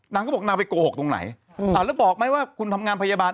นางก็บอกนางไปโกหกตรงไหนแล้วบอกไหมว่าคุณทำงานพยาบาล